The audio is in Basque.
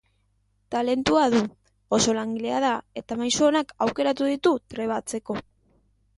Talentua du, oso langilea da eta maisu onak aukeratu ditu trebatzeko.